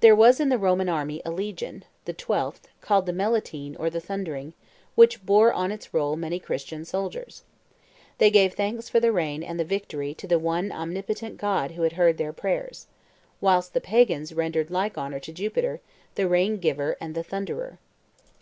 There was in the Roman army a legion, the twelfth, called the Melitine or the Thundering, which bore on its roll many Christian soldiers. They gave thanks for the rain and the victory to the one omnipotent God who had heard their prayers, whilst the pagans rendered like honor to Jupiter, the rain giver and the thunderer.